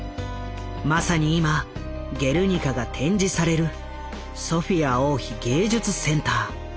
まさに今「ゲルニカ」が展示されるソフィア王妃芸術センター。